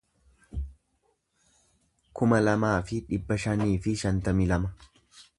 kuma lamaa fi dhibba shanii fi shantamii lama